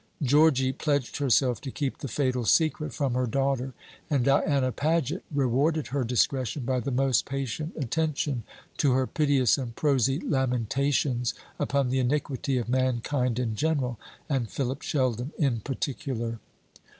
Georgy pledged herself to keep the fatal secret from her daughter; and Diana Paget rewarded her discretion by the most patient attention to her piteous and prosy lamentations upon the iniquity of mankind in general, and Philip Sheldon in particular.